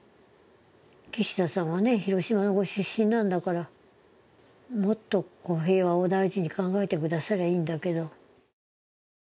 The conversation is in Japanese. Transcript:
岸田さんは広島のご出身なんだからもっと平和を大事に考えてくださりゃいいんだけど。